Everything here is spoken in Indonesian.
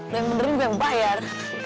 lo yang bener gue yang bayar